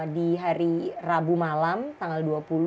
di hari rabu malam tanggal dua puluh